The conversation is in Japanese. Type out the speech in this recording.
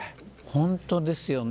本当ですよね